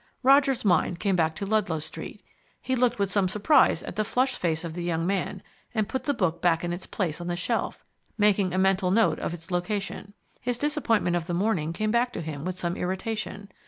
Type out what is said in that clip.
Roger's mind came back to Ludlow Street. He looked with some surprise at the flushed face of the young man, and put the book back in its place on the shelf, making a mental note of its location. His disappointment of the morning came back to him with some irritation.